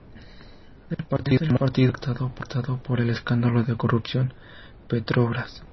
Es el partido más afectado por el escándalo de corrupción Petrobras.